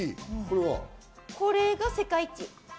これが世界一。